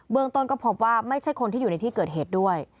เมืองต้นก็พบว่าไม่ใช่คนที่อยู่ในที่เกิดเหตุด้วย